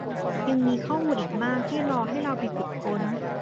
ยังมีข้อมูลอีกมากที่รอให้เราไปขุดค้น